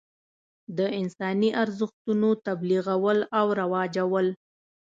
د انساني ارزښتونو تبلیغول او رواجول.